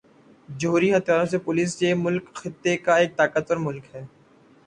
جوہری ہتھیاروں سے لیس یہ ملک خطے کا ایک طاقتور ملک ہے